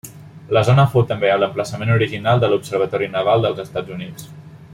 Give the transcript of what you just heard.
La zona fou també l'emplaçament original de l'Observatori Naval dels Estats Units.